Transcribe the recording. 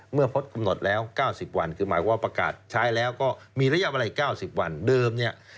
เมื่อพศกำหนดแล้ว๙๐วันคือหมายความประกาศใช้แล้วก็มีระยะเวลา๙๐วัน